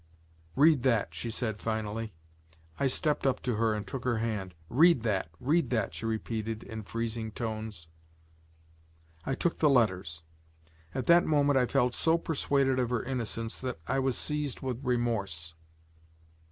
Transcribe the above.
"Read that," she said finally. I stepped up to her and took her hand. "Read that, read that!" she repeated in freezing tones. I took the letters. At that moment I felt so persuaded of her innocence that I was seized with remorse.